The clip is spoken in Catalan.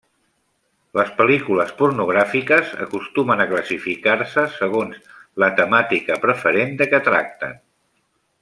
Les pel·lícules pornogràfiques acostumen a classificar-se segons la temàtica preferent de què tracten.